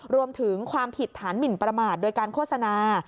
รวมถึงความผิดฐานหมินประมาทโดยการโฆษณา